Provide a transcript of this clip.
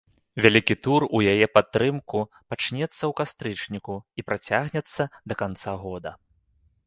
Вялікі тур у яе падтрымку пачнецца ў кастрычніку і працягнецца да канца года.